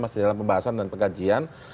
masih dalam pembahasan dan pengkajian